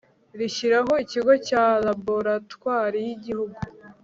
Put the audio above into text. rishyiraho ikigo cya laboratwari y igihugu